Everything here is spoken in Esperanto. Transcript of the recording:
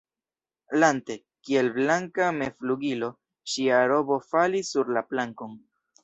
Lante, kiel blanka mevflugilo, ŝia robo falis sur la plankon.